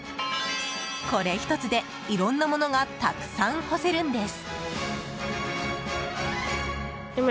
これ１つで、いろんなものがたくさん干せるんです。